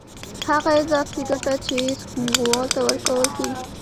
هغه اضافي ګټه چې ځمکوال ته ورکول کېږي